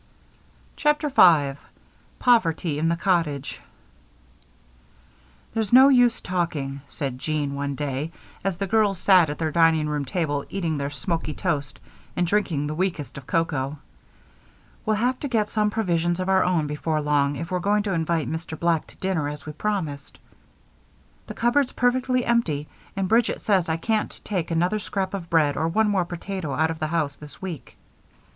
CHAPTER 5 Poverty in the Cottage "There's no use talking," said Jean, one day, as the girls sat at their dining room table eating very smoky toast and drinking the weakest of cocoa, "we'll have to get some provisions of our own before long if we're going to invite Mr. Black to dinner as we promised. The cupboard's perfectly empty and Bridget says I can't take another scrap of bread or one more potato out of the house this week."